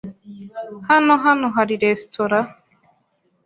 Hano hano hari resitora?